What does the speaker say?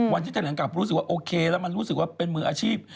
วันที่แถลงกลับรู้สึกว่าโอเคแล้วมันรู้สึกว่าเป็นมืออาชีพ